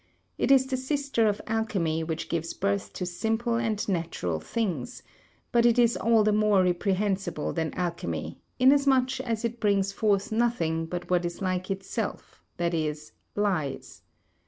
It is the sister of alchemy which gives birth to simple and natural things; but it is all the more reprehensible than alchemy, inasmuch as it brings forth nothing but what is like itself, that is, lies.